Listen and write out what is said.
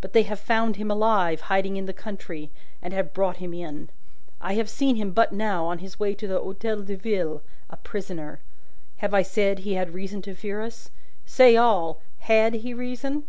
But they have found him alive, hiding in the country, and have brought him in. I have seen him but now, on his way to the Hotel de Ville, a prisoner. I have said that he had reason to fear us. Say all! Had he reason?"